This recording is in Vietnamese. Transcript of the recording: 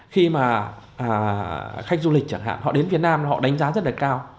khi mà khách du lịch chẳng hạn họ đến việt nam họ đánh giá rất là cao